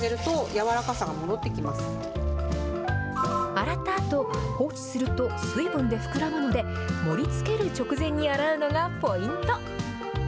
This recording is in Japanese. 洗ったあと、放置すると、水分で膨らむので、盛りつける直前に洗うのがポイント。